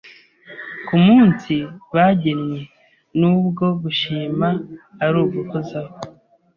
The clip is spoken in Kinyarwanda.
ku munsi bagennye, n’ubwo gushima ari uguhozaho.